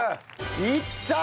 いった！